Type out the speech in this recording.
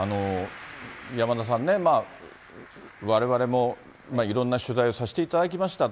山田さんね、われわれもいろんな取材をさせていただきました。